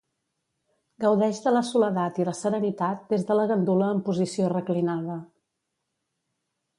Gaudeix de la soledat i la serenitat des de la gandula en posició reclinada.